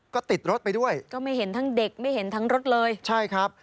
ก็ติดรถไปด้วยก็ไม่เห็นทั้งเด็กไม่เห็นทั้งรถเลยใช่ครับ